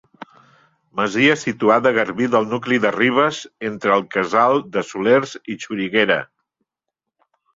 Masia situada a garbí del nucli de Ribes, entre el casal de Solers i Xoriguera.